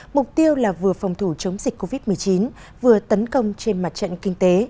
mục tiêu là vừa phòng thủ chống dịch covid một mươi chín vừa tấn công trên mặt trận kinh tế